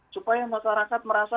supaya masyarakat merasa